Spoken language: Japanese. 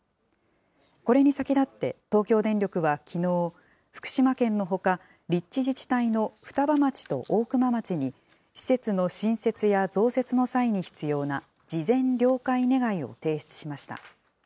これに先立って東京電力はきのう、福島県のほか、立地自治体の双葉町と大熊町に、施設の新設や増設の際に必要な事前了解願いを提出しました。